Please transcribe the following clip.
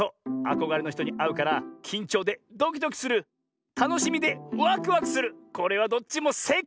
あこがれのひとにあうからきんちょうでドキドキするたのしみでワクワクするこれはどっちもせいかい！